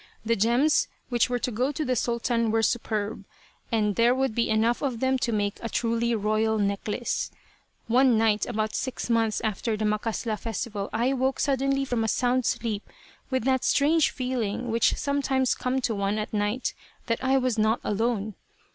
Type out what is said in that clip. The gems which were to go to the Sultan were superb, and there would be enough of them to make a truly royal necklace. One night about six months after the "macasla" festival I woke suddenly from a sound sleep, with that strange feeling which sometimes comes to one at night, that I was not alone.